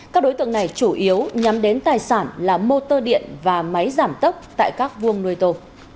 các đối tượng này chủ yếu nhắm đến tài sản là mô tơ điện và máy giảm tốc tại các vuông nuôi tổ